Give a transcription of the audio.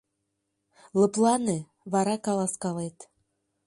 — Лыплане, вара каласкалет.